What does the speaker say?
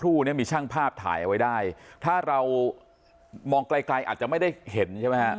เนี่ยมีช่างภาพถ่ายเอาไว้ได้ถ้าเรามองไกลไกลอาจจะไม่ได้เห็นใช่ไหมฮะ